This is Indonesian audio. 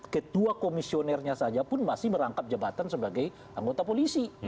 ketua komisionernya saja pun masih merangkap jabatan sebagai anggota polisi